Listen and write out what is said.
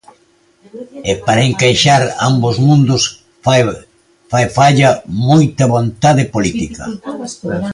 E para encaixar ambos mundos fai falla moita vontade política.